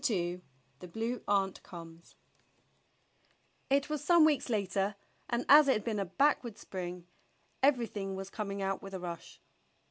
II The Blue Aunt Comes IT was some weeks later, and as it had been a back ward spring, everything was coming out with a rush.